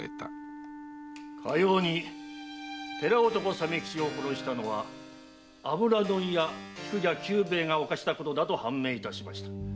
かように寺男・鮫吉を殺したのは油問屋・菊屋久兵衛が犯したことと判明いたしました。